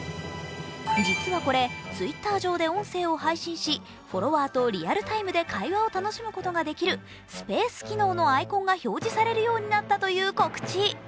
実はこれ、Ｔｗｉｔｔｅｒ上で音声を配信しフォロワーとリアルタイムで会話を楽しむことができるスペース機能のアイコンが表示されるようになったという告知。